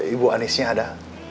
ibu anisnya ada